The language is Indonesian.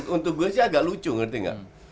untuk gue sih agak lucu ngerti nggak